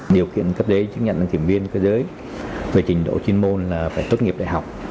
điều kiện cấp giấy chứng nhận đăng kiểm viên cơ giới về trình độ chuyên môn là phải tốt nghiệp đại học